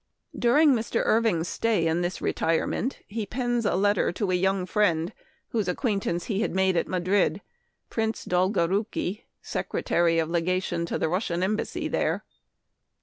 " During Mr. Irving's stay in this retirement he pens a letter to a young friend, whose ac 1 74 Memoir of Washington Irving. quaintance he had made at Madrid — Prince Dolgorouki, Secretary of Legation to the Rus sian embassy there.